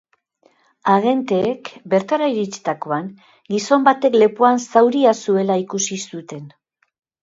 Agenteek bertara iritsitakoan gizon batek lepoan zauria zuela ikusi zuten.